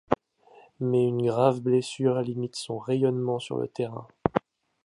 Mais une grave blessure limite son rayonnement sur le terrain.